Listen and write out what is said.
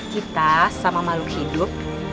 kita sama makhluk hidup